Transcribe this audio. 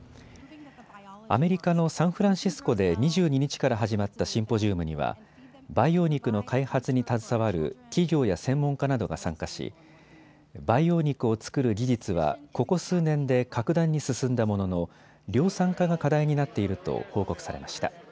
アメリカのサンフランシスコで２２日から始まったシンポジウムには培養肉の開発に携わる企業や専門家などが参加し、培養肉を作る技術は、ここ数年で格段に進んだものの量産化が課題になっていると報告されました。